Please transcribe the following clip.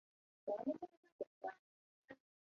粤语粗口看似有音无字。